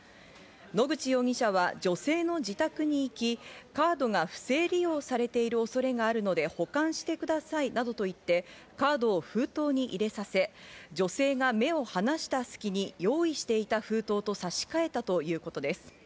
野口容疑者は女性の自宅に行き、カードが不正利用されている恐れがあるので保管してくださいなどと言って、カードを封筒に入れさせ、女性が目を離した隙に用意していた封筒と差し替えたということです。